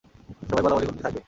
সবাই বলাবলি করতে থাকবে।